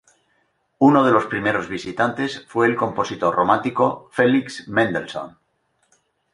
Uno de los primeros visitantes fue el compositor romántico Felix Mendelssohn.